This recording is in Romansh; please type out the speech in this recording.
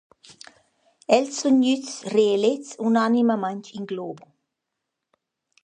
Els sun gnüts reelets unanimamaing in globo.